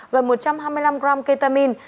gần một trăm hai mươi năm gram ketamine